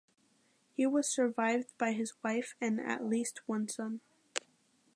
He was survived by his wife and at least one son.